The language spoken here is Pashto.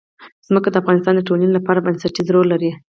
ځمکه د افغانستان د ټولنې لپاره بنسټيز رول لري.